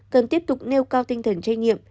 cần tiếp tục nêu cao tinh thần trách nhiệm